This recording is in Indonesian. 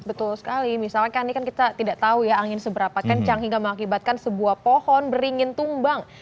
betul sekali misalkan ini kan kita tidak tahu ya angin seberapa kencang hingga mengakibatkan sebuah pohon beringin tumbang